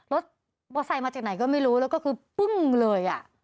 รถว่าใส่มาจากไหนก็ไม่รู้แล้วก็คือปึ้งเลยอะ